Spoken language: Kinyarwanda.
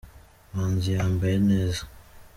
Manzi yambaye neza.